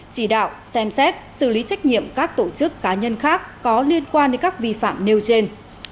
chỉ đạo xem xét xử lý trách nhiệm các tổ chức cá nhân khác có liên quan đến các vi phạm nêu trên